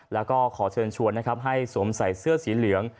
แล้วก็ขอเชิญชวนนะครับให้สวมใส่เสื้อสีเหลือง